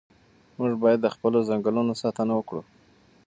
موږ باید د خپلو ځنګلونو ساتنه وکړو.